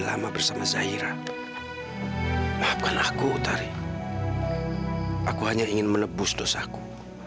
lama bersama zahira maafkan aku utari aku hanya ingin menebus dosaku